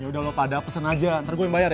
yaudah loh pada pesen aja ntar gue yang bayar ya